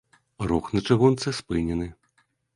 Рух на чыгунцы спынены.